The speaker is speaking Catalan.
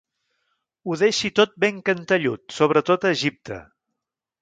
Ho deixi tot ben cantellut, sobretot a Egipte.